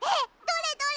どれ？